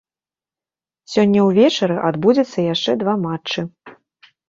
Сёння ўвечары адбудзецца яшчэ два матчы.